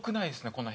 この辺。